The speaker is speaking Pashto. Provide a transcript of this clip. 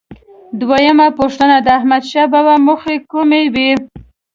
دویمه پوښتنه: د احمدشاه بابا موخې کومې وې؟